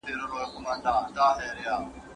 ¬ اوبه د سر د پاله خړېږي.